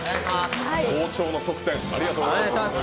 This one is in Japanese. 早朝の側転、ありがとうございます。